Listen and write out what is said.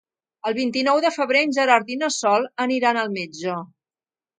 El vint-i-nou de febrer en Gerard i na Sol aniran al metge.